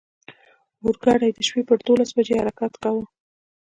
اورګاډی د شپې پر دولس بجې حرکت کاوه.